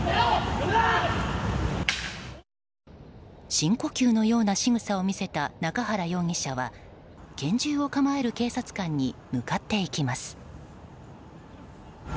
深呼吸のようなしぐさを見せた中原容疑者は拳銃を構える警察官に向かっていきます。